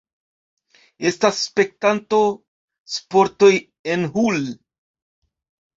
Estas spektanto-sportoj en Hull.